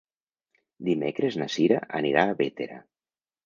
Dimecres na Cira anirà a Bétera.